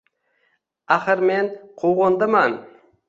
Axir, men — Quvg‘indiman.